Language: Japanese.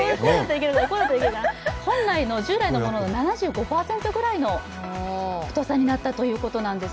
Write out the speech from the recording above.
従来のものの７５％くらいの太さになったということです。